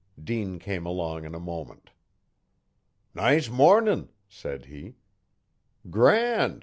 Dean came along in a moment. 'Nice mornin'!' said he. 'Grand!'